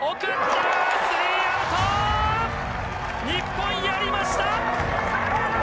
日本やりました！